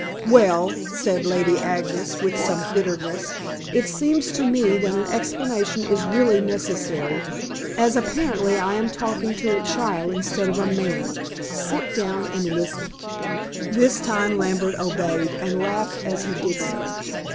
"Well," said Lady Agnes with some bitterness, "it seems to me that an explanation is really necessary, as apparently I am talking to a child instead of a man. Sit down and listen." This time Lambert obeyed, and laughed as he did so.